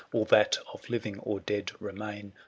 All that of living or dead remain.